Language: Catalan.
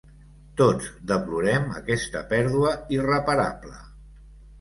Tots deplorem aquesta pèrdua irreparable.